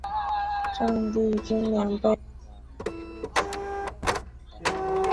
丈地均粮碑的历史年代为明代。